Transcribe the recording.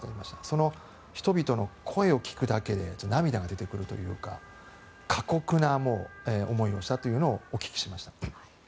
その人々の声を聞くだけで涙が出てくるというか過酷な思いをしたというのをお聞きしました。